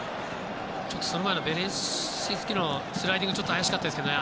その前のベレシンスキのスライディング怪しかったですけどね。